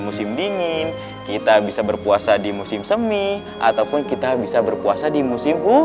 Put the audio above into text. musim dingin kita bisa berpuasa di musim semi ataupun kita bisa berpuasa di musim